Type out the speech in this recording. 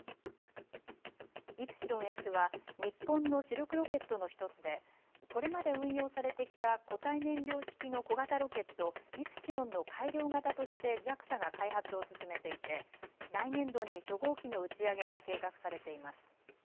イプシロンＳは日本の主力ロケットの１つでこれまで運用されてきた固体燃料式の小型ロケット、イプシロンの改良型としてＪＡＸＡが開発を進めていて来年度に初号機の打ち上げが計画されています。